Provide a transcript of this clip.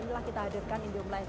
inilah kita hadirkan indihome lite